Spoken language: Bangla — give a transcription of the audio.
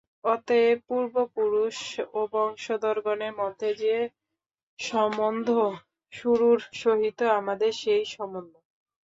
অতএব পূর্বপুরুষ ও বংশধরগণের মধ্যে যে সম্বন্ধ, গুরুর সহিত আমাদের সেই সম্বন্ধ।